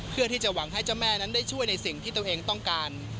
เพื่อที่จะหวังให้เจ้าแม่นั้นได้ช่วยในสิ่งที่ตัวเองต้องการ